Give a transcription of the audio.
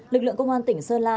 lực lượng công an tỉnh sơn la